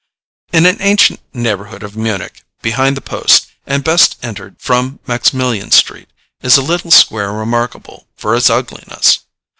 In an ancient neighborhood of Munich, behind the post, and best entered from Maximilian street, is a little square remarkable for its ugliness.